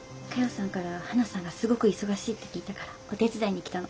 さんからはなさんがすごく忙しいって聞いたからお手伝いに来たの。